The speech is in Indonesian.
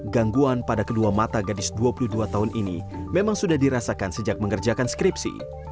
gangguan pada kedua mata gadis dua puluh dua tahun ini memang sudah dirasakan sejak mengerjakan skripsi